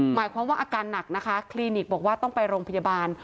หมายความว่าอาการหนักนะคะคลินิกบอกว่าต้องไปโรงพยาบาล